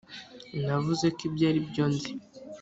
navuze ko aribyo nzi.